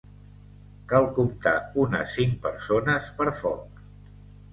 Cal comptar unes cinc persones per foc.